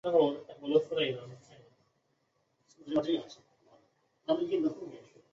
莱洛日。